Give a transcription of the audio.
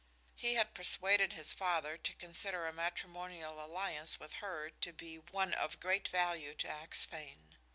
He had persuaded his father to consider a matrimonial alliance with her to be one of great value to Axphain.